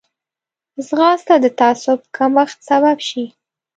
ځغاسته د تعصب کمښت سبب شي